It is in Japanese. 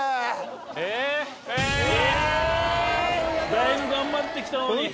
だいぶ頑張ってきたのに。